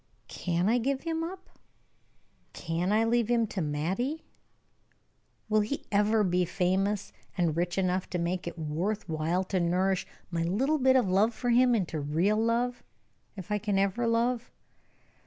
"Can I give him up? Can I leave him to Mattie? Will he ever be famous and rich enough to make it worth while to nourish my little bit of love for him into real love, if I can ever love?